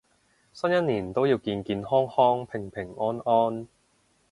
新一年都要健健康康平平安安